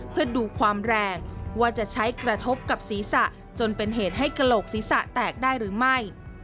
เพื่อดูความแรงว่าจะใช้กระทบกับศีรษะจนเป็นเหตุให้กระโหลกศีรษะแตกได้หรือไม่